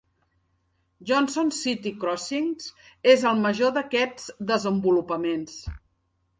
Johnson City Crossings és el major d'aquests desenvolupaments.